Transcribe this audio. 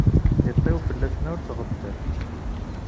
Tiṭ-iw fell-asen ur tɣeffel.